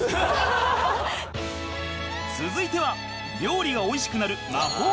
続いては料理が美味しくなる。